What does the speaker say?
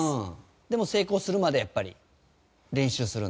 でも成功するまでやっぱり練習するんだ？